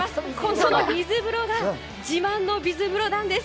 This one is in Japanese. その水風呂が自慢の水風呂なんです。